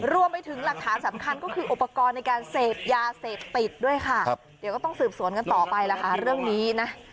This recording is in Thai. รวมไปถึงหลักฐานสำคัญก็คืออุปกรณ์ในการเสพยาเสพติดด้วยค่ะเดี๋ยวก็ต้องสืบสวนกันต่อไปล่ะค่ะเรื่องนี้นะ